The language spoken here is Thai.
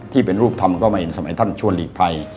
ที่เป็นรูปธรรมก็ไม่เห็นสมัยท่านชวนหลีกภัย